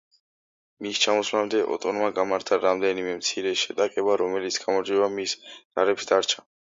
მის ჩამოსვლამდე ოტონმა გამართა რამდენიმე მცირე შეტაკება, რომელშიც გამარჯვება მის ჯარებს დარჩა.